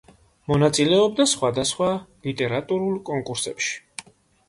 მონაწილეობდა სხვადასხვა ლიტერატურულ კონკურსებში.